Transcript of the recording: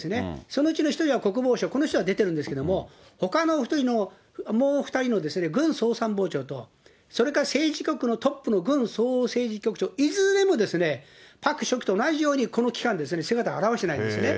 そのうちの１人は国防相、この人は出てるんですけれども、ほかのもう２人の軍総参謀長とそれから政治局のトップの軍総政治局長、いずれもパク書記と同じように、この期間、姿を現してないんですね。